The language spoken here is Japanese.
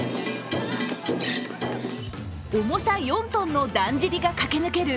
重さ４ｔのだんじりが駆け抜ける